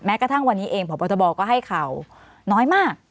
กระทั่งวันนี้เองพบทบก็ให้ข่าวน้อยมาก